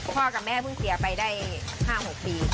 พ่อกับแม่เพิ่งเสียไปได้๕๖ปี